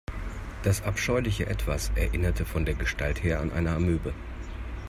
Das abscheuliche Etwas erinnerte von der Gestalt her an eine Amöbe.